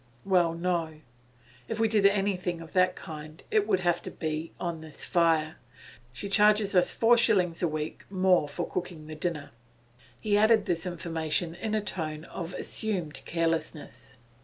'Well, no. If we did anything of that kind, it would have to be on this fire. She charges us four shillings a week more for cooking the dinner.' He added this information in a tone of assumed carelessness.